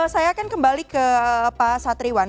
saya akan kembali ke pak satriwan